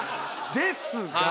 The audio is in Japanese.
「ですが」